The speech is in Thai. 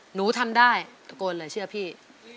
หนูทำได้ตะโกนเลยเชื่อพี่